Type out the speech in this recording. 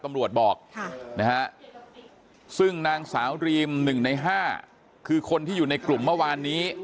ตำรวจบอกนะฮะซึ่งนางสาวดรีม๑ใน๕คือคนที่อยู่ในกลุ่มเมื่อวานนี้